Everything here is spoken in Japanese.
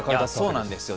そうなんですよ。